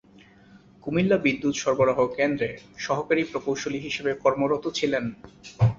কুমিল্লা বিদ্যুৎ সরবরাহ কেন্দ্রে সহকারী প্রকৌশলী হিসেবে কর্মরত ছিলেন।